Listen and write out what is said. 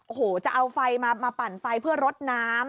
โอ้โหจะเอาไฟมาปั่นไฟเพื่อรดน้ำ